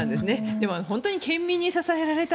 でも本当に県民に支えられた。